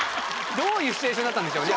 どういうシチュエーションだったんでしょうね？